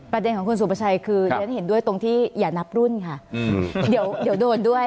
ประเด็นของคุณสุประชัยคือเรียนเห็นด้วยตรงที่อย่านับรุ่นค่ะเดี๋ยวโดนด้วย